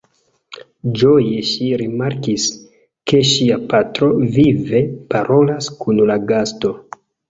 Ĝoje ŝi rimarkis, ke ŝia patro vive parolas kun la gasto.